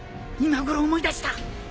今ごろ思い出した。